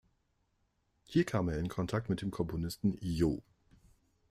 Hier kam er in Kontakt mit dem Komponisten Joh.